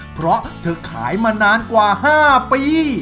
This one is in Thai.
เพราะเธอขายมานานกว่า๕ปี